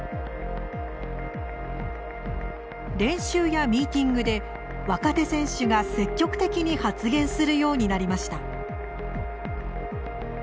練習やミーティングで若手選手が積極的に発言するようになりました。